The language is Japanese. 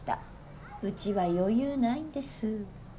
うちは余裕ないんです。